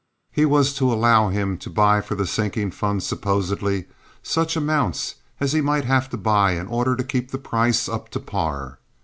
He was to allow him to buy for the sinking fund, supposedly, such amounts as he might have to buy in order to keep the price up to par.